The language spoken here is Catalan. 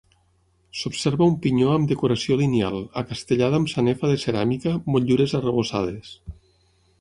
S'observa un pinyó amb decoració lineal, acastellada amb sanefa de ceràmica, motllures arrebossades.